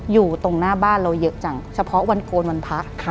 อยู่ตรงหน้าบ้านเราเยอะจังเฉพาะวันโกนวันพระ